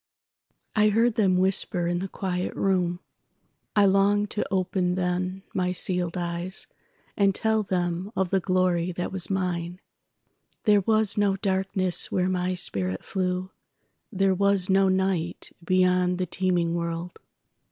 I heard them whisper in the quiet room.I longed to open then my sealèd eyes, And tell them of the glory that was mine. There was no darkness where my spirit flew, There was no night beyond the teeming world.